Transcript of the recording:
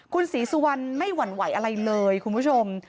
คุณศรีสุวรรณไม่หวั่นไหวอะไรเลยคุณผู้ชม